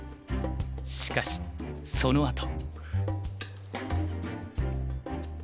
しかしそのあと。